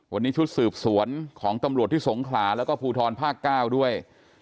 วันนี้ชุดสืบสวนของตำรวจที่สงขลาแล้วก็ภูทรภาค๙ด้วย